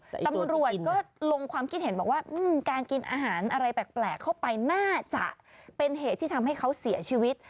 ตำรวจก็ลงความคิดเห็นบอกว่าการกินอาหารอะไรแปลกเข้าไปน่าจะเป็นเหตุที่ทำให้เขาเสียชีวิต